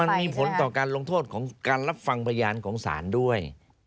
มันมีผลต่อการลงโทษของการรับฟังพยานของศาลด้วย